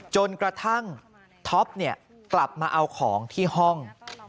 จนกระทั่งท็อปกลับมาเอาของที่ห้อง